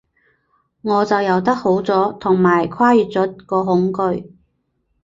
我就游得好咗，同埋跨越咗個恐懼